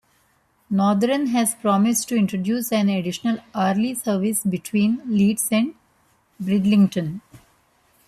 Northern has promised to introduce an additional hourly service between Leeds and Bridlington.